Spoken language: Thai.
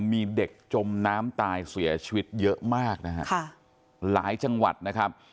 มีเด็กจมน้ำตายเสียชีวิตเยอะมากนะฮะค่ะหลายจังหวัดนะครับ